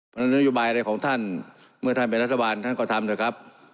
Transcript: มันยุบายอะไรของท่านเมื่อท่านเป็นรัฐบาลท่านก็ทำเถอะครับ